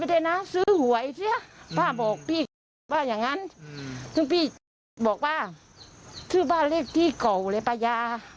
ชื่อป้าเรียกพี่ตกเก่าเลยป้ายา